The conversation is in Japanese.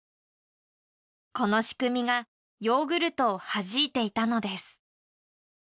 この仕組みがヨーグルトをはじいていたのです。